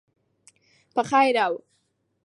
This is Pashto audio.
په خیر او